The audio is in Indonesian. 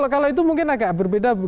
kalau itu mungkin agak berbeda